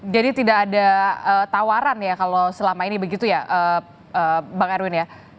jadi tidak ada tawaran ya kalau selama ini begitu ya bang erwin